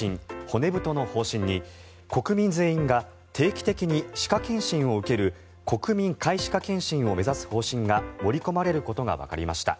骨太の方針に国民全員が定期的に歯科検診を受ける国民皆歯科検診を目指す方針が盛り込まれることがわかりました。